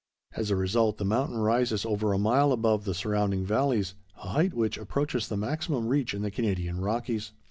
As a result, the mountain rises over a mile above the surrounding valleys, a height which approaches the maximum reached in the Canadian Rockies.